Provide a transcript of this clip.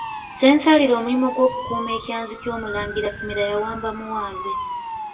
Ssensalire omulimu gw’okukuuma ekyanzi ky’omulangira Kimera yawamba muwambe.